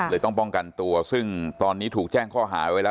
เลยต้องป้องกันตัวซึ่งตอนนี้ถูกแจ้งข้อหา